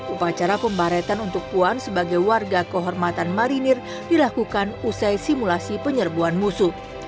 upacara pembaretan untuk puan sebagai warga kehormatan marinir dilakukan usai simulasi penyerbuan musuh